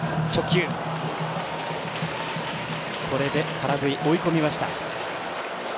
空振り、追い込みました。